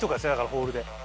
ホールで。